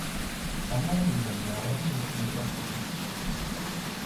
გამოავლინა მრავალი ნიჭიერი ახალგაზდა.